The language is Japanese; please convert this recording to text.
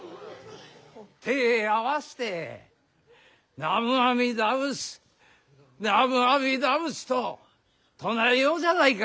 手ぇ合わして南無阿弥陀仏南無阿弥陀仏と唱えようじゃないか。